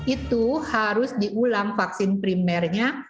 itu harus diulang vaksin primernya